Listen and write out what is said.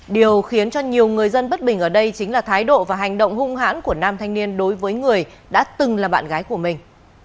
điều khiến cho nhiều người dân bất bình ở đây chính là thái độ và hành động hung hãn của nam thanh niên đối với người đã từng là bạn gái của mình